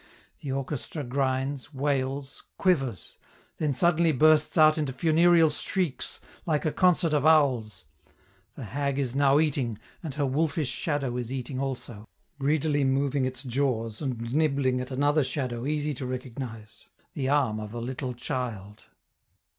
The orchestra grinds, wails, quivers; then suddenly bursts out into funereal shrieks, like a concert of owls; the hag is now eating, and her wolfish shadow is eating also, greedily moving its jaws and nibbling at another shadow easy to recognize the arm of a little child.